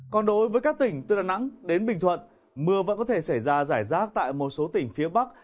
còn đối với các tỉnh từ đà nẵng đến bình thuận mưa vẫn có thể xảy ra giải rác tại một số tỉnh phía bắc